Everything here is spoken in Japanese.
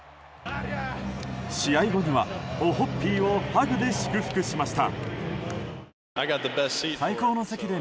試合後にはオホッピーをハグで祝福しました。